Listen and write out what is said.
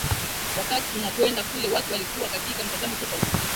wakati tunakwenda kule watu walikuwa katika mitazamo tofauti